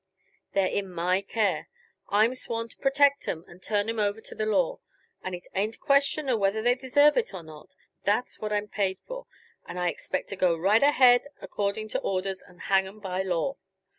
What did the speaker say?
They're in my care. I'm sworn to protect 'em and turn 'em over to the law and it ain't a question uh whether they deserve it or not. That's what I'm paid for, and I expect to go right ahead according to orders and hang 'em by law.